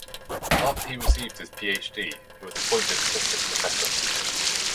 After he received his PhD, he was appointed assistant professor.